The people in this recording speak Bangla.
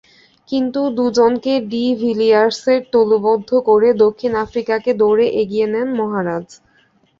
কিন্তু দুজনকে ডি ভিলিয়ার্সের তালুবদ্ধ করে দক্ষিণ আফ্রিকাকে দৌড়ে এগিয়ে নেন মহারাজ।